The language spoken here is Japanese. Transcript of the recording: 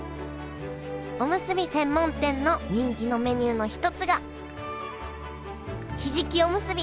おむすび専門店の人気のメニューの一つがひじきおむすび！